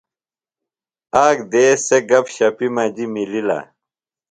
آک دیس سےۡ گپ شپیۡ مجیۡ مِلِلہ ۔